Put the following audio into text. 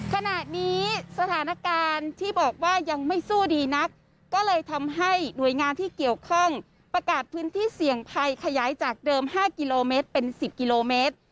ขณะนี้สถานการณ์ที่บอกว่ายังไม่สู้ดีนักก็เลยทำให้หน่วยงานที่เกี่ยวข้องประกาศพื้นที่เสี่ยงภัยขยายจากเดิม๕กิโลเมตรเป็น๑๐กิโลเมตร